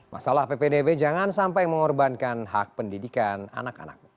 masalah ppdb jangan sampai mengorbankan hak pendidikan anak anak